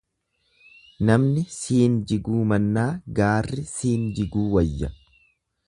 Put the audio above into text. Namni siin jiguu mannaa, gaarri siin jiguu wayya.